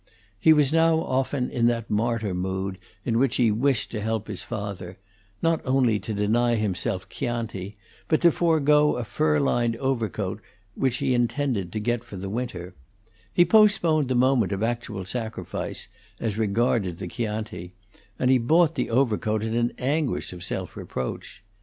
He was now often in that martyr mood in which he wished to help his father; not only to deny himself Chianti, but to forego a fur lined overcoat which he intended to get for the winter, He postponed the moment of actual sacrifice as regarded the Chianti, and he bought the overcoat in an anguish of self reproach.